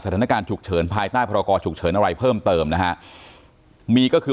สถานการณ์ฉุกเฉินภายใต้พรกรฉุกเฉินอะไรเพิ่มเติมนะฮะมีก็คือ